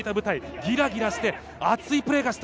ギラギラして熱いプレーがしたい。